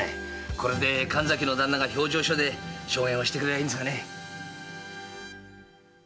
これで神崎の旦那が評定所で証言をしてくれりゃいいんですがね。